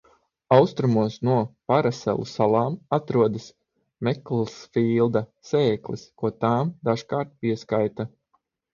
Austrumos no Paraselu salām atrodas Meklsfīlda sēklis, ko tām dažkārt pieskaita.